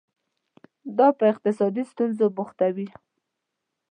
دا په اقتصادي ستونزو بوختوي.